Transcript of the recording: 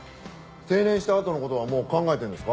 定年したあとの事はもう考えてるんですか？